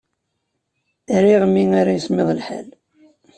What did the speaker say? Riɣ mi ara yismiḍ lḥal.